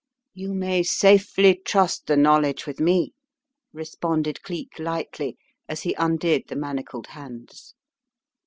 "You may safely trust the knowledge with me," responded Cleek, lightly, as he undid the manacled hands.